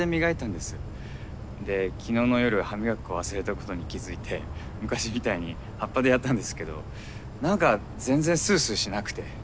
で昨日の夜歯磨き粉忘れたことに気付いて昔みたいに葉っぱでやったんですけど何か全然スースーしなくて。